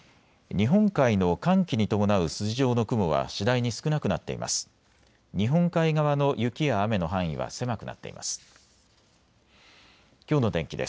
日本海の寒気に伴う筋状の雲は次第に少なくなっています。